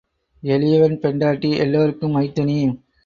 எளியவன் பெண்டாட்டி எல்லாருக்கும் மைத்துணி.